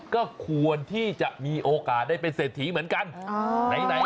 ก็ควรที่จะมีโอกาสได้เป็นเศรษฐีเหมือนกัน